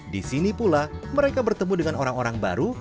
di sini pula mereka bertemu dengan orang orang baru